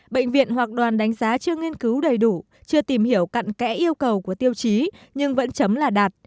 bệnh viện hoặc đoàn đánh giá chưa nghiên cứu đầy đủ chưa tìm hiểu cận kẽ yêu cầu của tiêu chí nhưng vẫn chấm là đạt